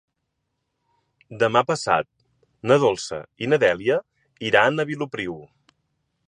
Demà passat na Dolça i na Dèlia iran a Vilopriu.